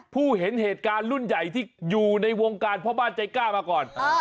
ผู้เห็นเหตุการณ์รุ่นใหญ่ที่อยู่ในวงการพ่อบ้านใจกล้ามาก่อน